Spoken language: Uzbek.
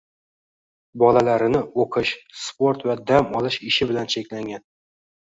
Bolalarini o‘qish, sport va dam olish ishi bilan cheklagan